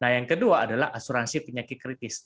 nah yang kedua adalah asuransi penyakit kritis